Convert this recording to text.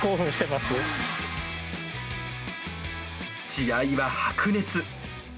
試合は白熱。